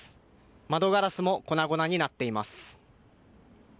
窓ガラスも粉々になっています。